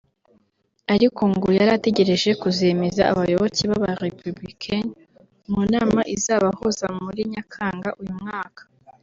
ariko ngo yari ategereje kuzemeza abayoboke b’aba- Républicain mu nama izabahuza muri Nyakanga uyu mwaka